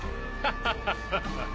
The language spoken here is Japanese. ハハハ！